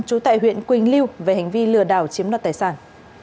trú tại huyện quỳnh lưu về hành vi lừa đảo chiếm đoạt tài sản